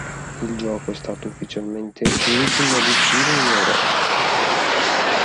Il gioco è stato ufficialmente l'ultimo ad uscire in Europa.